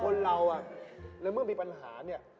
คนเราเนี่ยเมื่อมีปัญหานี้